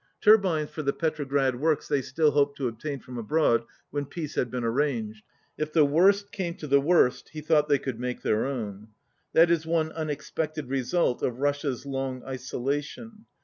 Turbines for the Petrograd works they still hoped to obtain from abroad when peace had been arranged. If the worst came to the worst he thought they could make their own. "That is one unexpected result of Russia's long isolation.